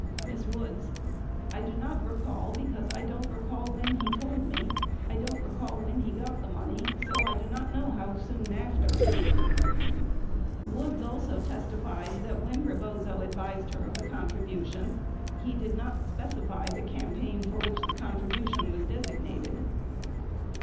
Miss Woods. I do not recall because I don't recall when he told me, I don't recall when he got the money, so I do not know how soon after." 2 Woods also testified that when Rebozo advised her of the contribu tion, he did not specify the campaign for which the contribution was designated.